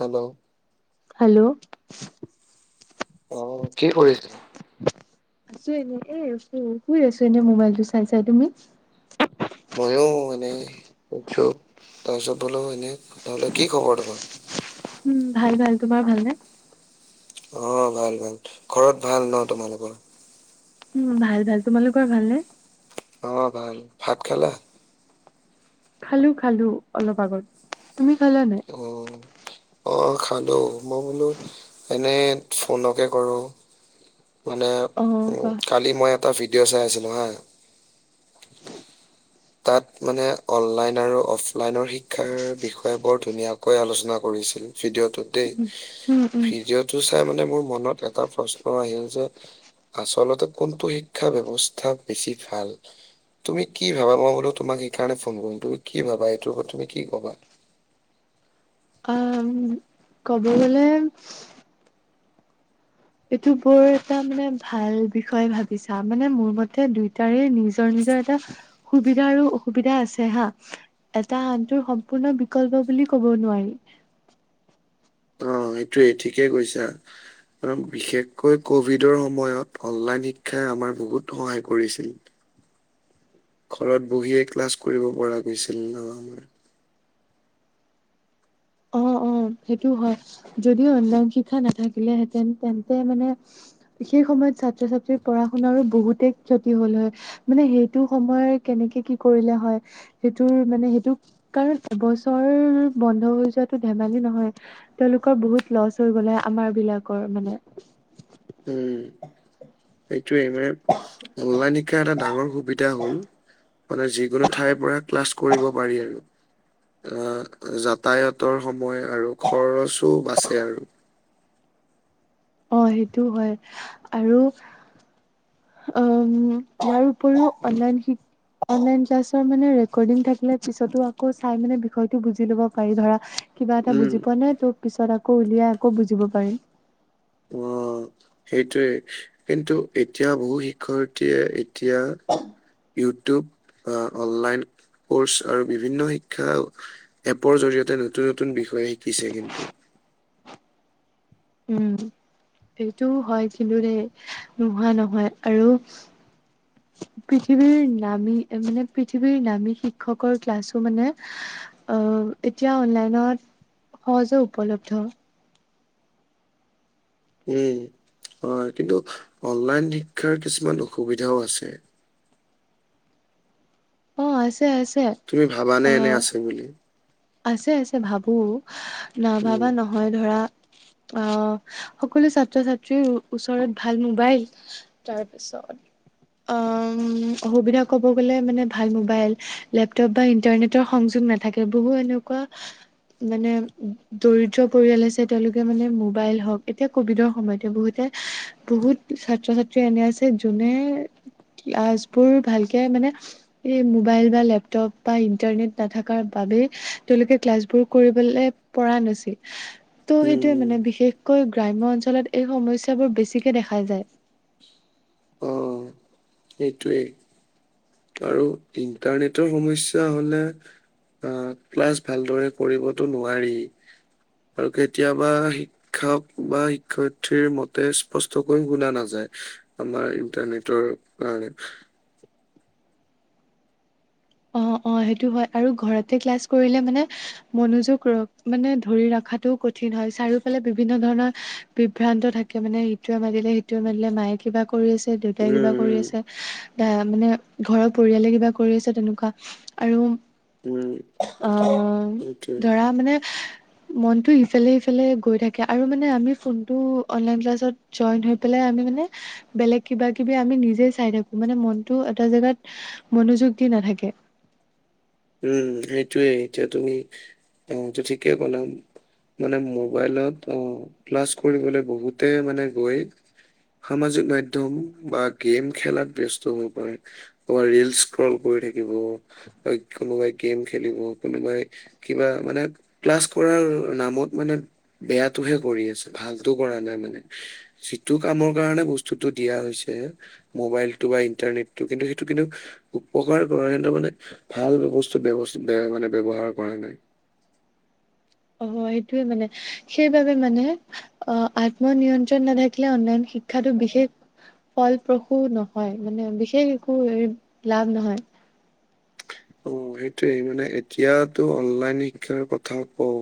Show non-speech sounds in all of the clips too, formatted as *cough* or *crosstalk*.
Hello hello অ কি কৰিছা আছো এনে এ আছো শুই আছো এনে মোবাইল টো চাই চাই তুমি *unintelligible* এনে নহলে কি খবৰ তোমাৰ উম ভাল ভাল তোমাৰ ভালনে অ ভাল ভাল ঘৰত ভাল ন তোমালোকৰ উম ভাল ভাল তোমালোকৰ ভালনে অ ভাল ভাত খালা খালো খালো অলপ আগত তুমি খালা নাই অঁ অঁ খালোঁ মই বোলো এনেই ফোনকে কৰোঁ মানে অ কোৱা কালি মই এটা ভিডিঅ' চাই আছিলো হা তাত মানে অনলাইন আৰু অফলাইনৰ শিক্ষাৰ বিষয়ে বৰ ধুনীয়া কৈ আলোচনা কৰিছিল, ভিডিঅ'টোত দেই, উম উম ভিডিঅ'ত সটো চাই মানে মোৰ মনত এটা প্ৰশ্ন আহিল যে আচলতে কোনটো শিক্ষা ব্যৱস্থা বেছি ভাল? তুমি কি ভাবা, মই বো তোমাক সেইকাৰণে ফোন কৰিম, তুমি কি ভাবা? এইটো ওপৰত তুমি কি ক'বা? অ', উম ক'ব গ'লে এইটো বৰ এটা মানে ভাল বিষয় ভাবিছা, মানে মোৰ মতে দুয়টাৰে নিজৰ নিজৰ এটা সুবিধা আৰু অসুবিধা আছে হা। এটা আনটোৰ সম্পূৰ্ণ বিকল্প বুলি ক'ব নোৱাৰি। অ', সেইটোয়ে ঠিকেই কৈছা। কাৰ, বিশেষকৈ ক'ভিডৰ সময়ত অনলাইন শিক্ষাই আমাৰ বহুত সহায় কৰিছিল। ঘৰত বহিয়ে ক্লাছ কৰিব পৰা গৈছিল ন, আমাৰ। অ অ সেইটো হয়, যদিও অনলাইন শিক্ষা নাথাকিলেহেঁতেন তেন্তে মানে সেই সময়ত ছাত্ৰ ছাত্ৰীৰ পঢ়া শুনাৰো বহুতেই ক্ষতি হ'ল হয়। মানে সেইটো সময় কেনেকে কি কৰিলে হয়? সেইটোৰ মানে সেইটো, কাৰণ এবছৰ বন্ধ হৈ যোৱাটো ধেমালি নহ হয়, তেওঁলোকৰ বহুত লচ হৈ গ'ল হয়, আমাৰ বিলাকৰ মানে উম, এইটোৱে মানে, অনলাইন শিকা এটা ডাঙৰ সুবিধা হ'ল মানে যিকোনো ঠাইৰ পৰা ক্লাছ কৰিব পাৰি আৰু। অ', যাতায়তৰ সময় আৰু খৰচো বাচে আৰু অ', সেইটো হয়, আৰু উম, ইয়াৰ উপৰিও অনলাইন অনলাইন ক্লাছৰ মানে ৰেকৰ্ডিং থাকিলে পিছতো আকৌ চাই মানে বিষয়টো বুজি লব পাৰি ধৰা কিবা এটা উম, বুজি পোৱা নাই, তোক পিছত আকৌ উলিয়াই আকৌ বুজিব পাৰিম। অ'। সেইটোৱে, কিন্তু এতিয়া বহু শিক্ষয়িতীয়ে এতিয়া ইউটিউব, আ, অনলাইন কৰ্চ আৰু বিভিন্ন শিক্ষা এপৰ জৰিয়তে নতুন নতুন বিষয় শিকিছে কিন্তু। উ, সেইটো হয় কিন্তু দেই, নোহোৱা নহয়, আৰু *inaudible* পৃথিৱীৰ নামী, মানে পৃথিৱীৰ নামী শিক্ষকৰ ক্লাছো মানে অ', এতিয়া অনলাইনত সহজে উপলব্ধ। উম, অ', কিন্তু অনলাইন শিক্ষাৰ কিছুমান অসুবিধাও আছে। অ', আছে, আছে। তুমি ভাবানে এনে আহ আছে বুলি? আছে, আছে, ভাবোঁ, নাভাবা উম নহয় ধৰা অ', সকলো ছাত্ৰ ছাত্ৰীৰ ওচৰত ভাল মোবাইল তাৰপিছত অ', অসুবিধা ক'ব গলে মানে, ভাল মোবাইল, লেপটপ বা ইণ্টাৰনেট সংযোগ নাথাকে, বহু এনেকুৱা মানে দৰিদ্ৰ পৰিয়াল আছে, তেওঁলোকে মানে মোবাইল হওঁক, এতিয়া ক'ভিডৰ সময়তে, বহুতে, বহুত ছাত্ৰ ছাত্ৰী এনে আছে, যোনে ক্লাছবোৰ ভালকে মানে এই মোবাইল বা লেপটপ বা ইণ্টাৰনেট নাথাকাৰ বাবে তেওঁলোকে ক্লাছ বোৰ কৰিবলে পৰা নাছিল, ত', উম সেইটোয়ে উম মানে বিশেষ কৈ গ্ৰাম্য অঞ্চলত এই সমস্যাবোৰ বেছিকে দেখা যায়। অ সেইটোৱে। আৰু ইণ্টাৰনেটৰ সমস্যয়া হলে। অ ক্লাছ ভালদৰে কৰিবতো নোৱাৰি আৰু কেতিয়াবা সি। শিক্ষক বা শিক্ষয়্থীৰ মতে স্পষ্টকৈ গুনা নাযায়। আমাৰ ইণ্টাৰনেটৰ কাৰণে। অ অ সেইটো হয় আৰু ঘৰতে ক্লাছ কৰিলে মানে। মনোযোগ ৰ মানে ধৰি ৰখাটোও কঠিন হয় চাৰিওফালে বিভিন্ন ধৰণৰ। বিভ্ৰান্ত থাকে মানে ইটোৱে মাতিলে সিটোৱে মাতিলে মায়ে কিবা। কৰি আছে দেউতাই কিবা কৰি উম আছে দ মানে ঘৰৰ পৰিয়ালে কিবা কৰি আছে তেনেকুৱা। আৰু উম উম আহ সেইটোৱে ধৰা মানে। মনতটো ইফালে সফালে গৈ থাকে আৰু মানে আমি ফোনটো অনলাইন ক্লাছত। জইন হৈ পেলাই আমি মানে বেলেগ কিবা কিবি আমি নিজে চাই থাকো মানে মনতটো এটা জেগাত মনোযোগ দি নাথাকে। উম সেইটোৱে এতিয়া তুমি টাইমটো ঠিকেই কলা। মানে মোবাইলত অ ক্লাছ কৰিবলৈ বহুতে মানে গৈ। সামাজিক মাধ্যম বা গেম খেলাত ব্যস্ত হব পাৰে। তোমাৰ ৰিল স্ক্ৰল কৰি থাকিব। অ, কোনোবাই গেম খেলিব কোনোবাই কিবা মানে ক্লাছ কৰাৰ নামত মানে। বেয়াতটোহে কৰি আছে ভালতো কৰা নাই মানে। যিটো কামৰ কাৰণে বস্তুতটো দিয়া হৈছে। মোবাইলটো বা ইন্টাৰনেটটো কিন্তু সেইটো কিন্তু উপকাৰ কৰা মানে ভাল বস্তু ব্যয় মানে ব্যৱহাৰ কৰা নাই। অঁ, সেইটোয়ে মানে সেইবাবে মানে। অ আত্মনিয়ন্ত্ৰণ নাথাকিলে অনলাইন শিক্ষাটো বিশেষ ফলপ্ৰসূ নহয় মানে বিশেষ একো লাভ নহয়। অ সেইটোয়ে মানে এতিয়াতো অনলাইন শিক্ষাৰ কথা কওঁ।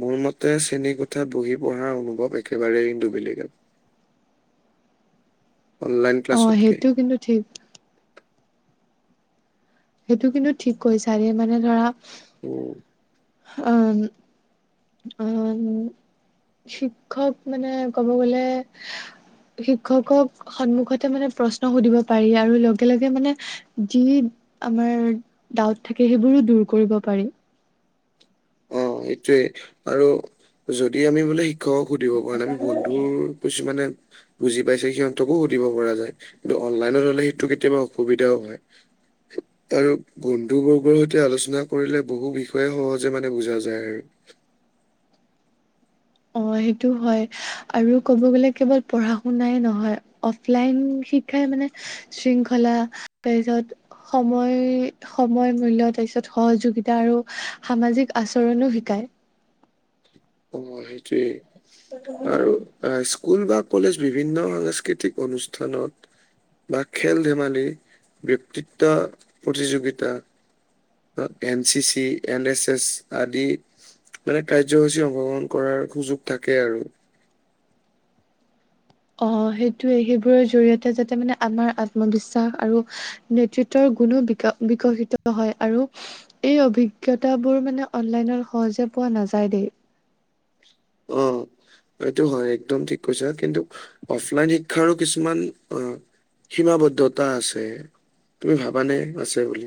মোৰ মতে শ্ৰেণী কোঠাত বহি পঢ়া অনুভৱ একেবাৰে কিন্তু বেলেগ আছিলে। অনলাইন অ ক্লাছতকে। সেইটো কিন্তু ঠিক। সেইটো কিন্তু ঠিক কৈ ছাৰে মানে ধৰা উম। অঁ। অঁ, শিক্ষক মানে ক'ব গলে। শিক্ষকক সন্মুখতে মানে প্ৰশ্ন সুধিব পাৰি আৰু লগে লগে মানে যি আমাৰ ডাউট থাকে সেইবোৰো দূৰ কৰিব পাৰি। অঁ, সেইটোৱে আৰু যদি আমি বোলে শিক্ষকক সুধিব পৰা নাই আমি বন্ধুৰ কিছুমানে। বুজি পাইছে সিহঁতকো সুধিব পৰা যায় কিন্তু অনলাইনত হলে সেইটো কেতিয়াবা অসুবিধাও হয়। আৰু বন্ধু বৰ্গৰ সৈতে আলোচনা কৰিলে বহু বিষয়ে সহজ। যে মানে বুজা যায় আৰু। অ সেইটো হয় আৰু ক'ব গ'লে কেৱল পঢ়া শুনাই নহয়। অফলাইন শিক্ষাই মানে শৃংখলা তাৰপিছত সময়। সময় মূল্য তাৰপিছত সহযোগিতা আৰু সামাজিক আচৰণো শিকায়। অঁ, সেইটোৱে আৰু। এহ' স্কুল বা কলেজ বিভিন্ন সাংস্কৃতিক অনুষ্ঠানত বা খেল ধেমালি ব্যক্তিত্ব প্ৰতিযোগিতা N C C, N S S আদি মানে কাৰ্যসূচী অং শ গ্ৰহণ কৰাৰ সুযোগ থাকে আৰু। অ সেইটোৱেই, সেইবোৰৰ জৰি়য়তে যাতে মানে আমাৰ আত্মবিশ্বাস আৰু, নেতৃত্বৰ গুণো বিকা বিকশিত হয়। আৰু এই অভিজ্ঞতাবোৰ মানে অনলাইনৰ সহজে পোৱা নাযায় দেই! অঁ। এইটো হয় একদম ঠিক কৈছা। কিন্তু অফলাইন শিক্ষাৰো কিছুমান অ' সীমাবদ্ধতা আছে, তুমি ভাবানে আছে বুলি?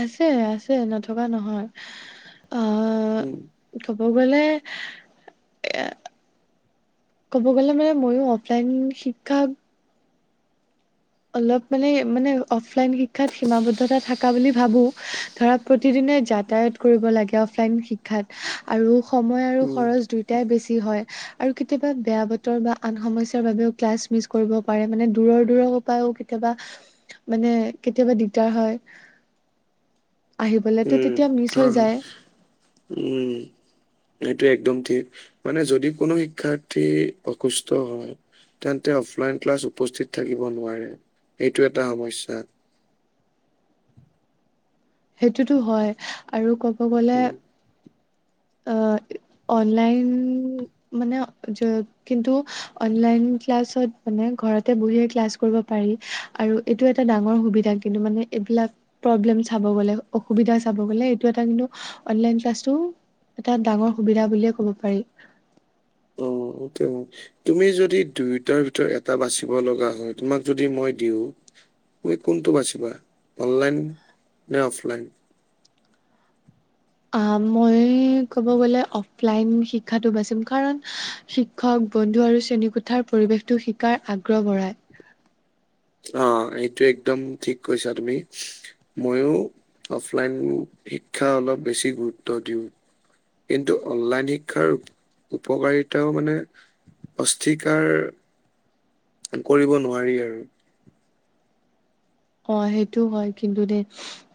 আছে আছে। নথকা নহয় অ' *unintelligible* উম্ কব গ'লে এ, ক'ব গ'লে মানে ময়ো অফলাইন শিক্ষা, অলপ মানে মানে অফলাইন শিক্ষাত সীমাবদ্ধতা থাকা বুলি ভাবোঁ। ধৰা প্ৰতিদিনে যাতায়াত কৰিব লাগে অফলাইন শিক্ষাত আৰু সময় আৰু উম খৰচ দুই, টাই বেছি হয়। আৰু কেতিয়াবা বেয়া বতৰ বা আন সমস্যাৰ বাবেও ক্লাছ মিছ কৰিব পাৰে, মানে দূৰৰ দূৰৰ, পাও, কেতিয়াবা মানে কেতিয়াবা দিগদাৰ হয়। আহিবলে ত তেতিয়া মিচ হৈ যায়। ওম। সেইটোৱেই একদম ঠিক মানে যদি কোনো শিক্ষাৰ্থী অসুস্থ হয় তেন্তে অফলাইন ক্লাছ উপস্থিত থাকিব নোৱাৰে, এইটো এটা সমস্যা। সেইটোতো হয়, আৰু ক'ব গলে আহ' অনলাইন মানে য, কিন্তু অনলাইন ক্লাছত মানে ঘৰতে বহিয়ে ক্লাছ কৰিব পাৰি। আৰু এইটো এটা ডাঙৰ সুবিধা কিন্তু মানে এইবিলাক প্ৰব্লেম, চাব গলে অসুবিধা চাব গ'লে এইটো এটা কিন্তু অনলাইন ক্লাছটো এটা ডাঙৰ সুবিধা বুলিয়ে ক'ব পাৰি। অ স *unintelligible* তুমি যদি দুয়োটাৰ ভিতৰত এটা বাচিব লগা হয় তোমাক যদি মই দিওঁ তুমি কোনটো বাচিবা অনলাইন নে অফলাইন? আ, মই ক'ব গ'লে অফলাইন শিক্ষাটো বাচিম কাৰণ, শিখ শিক্ষক বন্ধু আৰু শ্ৰেণীকোঠাৰ পৰিৱেশটো শিকাৰ আগ্ৰহ বঢ়ায়। অ' সেইটো একদম ঠিক কৈছা তুমি। মইয়ো অফলাইন শিক্ষা অলপ বেছি গুৰুত্ব দিওঁ। কিন্তু অনলাইন শিক্ষাৰ উপকাৰিতাও মানে, অস্থিকাৰ কৰিব নোৱাৰি আৰু। অ সেইটো হয় কিন্তু দেই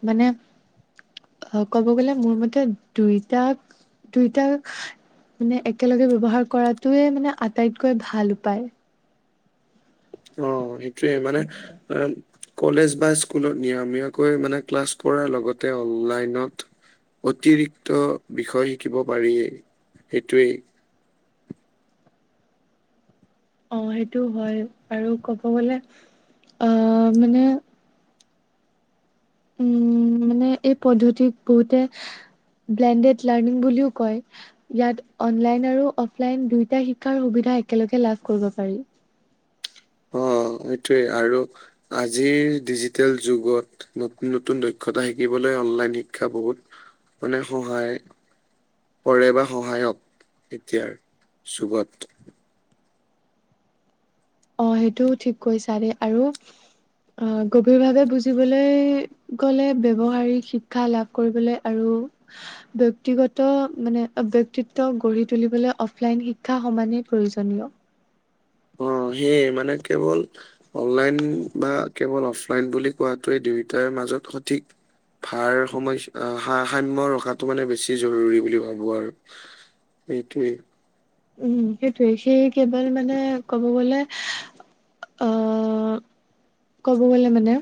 মানে, অ ক'ব গ'লে মোৰ মতে দুইটাক দুইটা মানে একেলগে ব্যৱহাৰ কৰাটোৱে মানে আটাইতকৈ ভাল উপায়। অ সেইটোৱেই মানে এ কলেজ বা স্কুলত নিয়ামীয়াকৈ মানে ক্লাছ কৰাৰ লগতে অনলাইনত অতিৰিক্ত বিষয় শিকিব পাৰিয়ে সেইটোৱেই। অ' সেইটো হয়। আৰু ক'ব গলে আহ মানে, উম' মানে এই পদ্ধতিক বহুতে ব্লেণ্ডেড লাৰ্ণিং বুলিও কয়। ইয়াত অনলাইন আৰু অফলাইন দুয়োটা শিক্ষাৰ সুবিধা একেলগে লাভ কৰিব পাৰি। অ' সেইটোৱেই আৰু আজিৰ ডিজিটেল যুগত। নতুন নতুন দক্ষতা শিকিবলৈ অনলাইন শিক্ষা বহুত মানে সহায়- পৰে বা সহায়ক এতিয়াৰ যুগত। অ সেইটোও ঠিক কৈছা ৰে আৰু অ গভীৰ ভাৱে বুজিবলে- গলে ব্যৱহাৰিক শিক্ষা লাভ কৰিবলে আৰু- ব্যক্তিগত মানে ব্যক্তিত্ব গঢ়ি তুলিবলৈ অফলাইন শিক্ষা সমানেই প্ৰয়োজনীয়। অ সেয়ে মানে কেৱল- অনলাইন বা কেৱল অফলাইন বুলি কোৱাটোৱে দুয়োটাৰ মাজত সঠিক- ভাৰ সমস্যা সা সাম্য ৰখাটো মানে বেছি জৰুৰী বুলি ভাবোঁ আৰু। সেইটোৱেই। উম সেইটোৱে সেই কেৱল মানে ক'ব গলে অ- ক'ব গ'লে মানে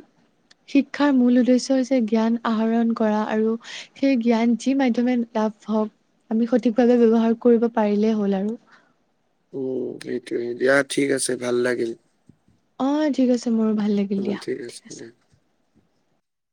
শিক্ষাৰ মূল উদ্দেশ্য হৈছে জ্ঞান আহৰণ কৰা আৰু- সেই জ্ঞান যি মাধ্যমে লাভ হওঁক আমি সঠিক ভাৱে ব্যৱহাৰ কৰিব পাৰিলেই হ'ল আৰু। উম সেইটো দিয়া ঠিক আছে ভাল লাগিল। অ ঠিক আছে মোৰো ভাল অ লাগিল দিয়া। ঠিক ঠিক আছে আছে। দে।